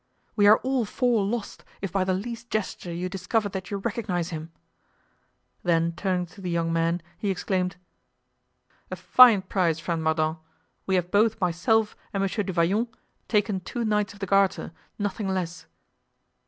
"We are all four lost, if by the least gesture you discover that you recognize him." Then turning to the young man he exclaimed: "A fine prize! a fine prize, friend Mordaunt; we have both myself and Monsieur du Vallon, taken two Knights of the Garter, nothing less."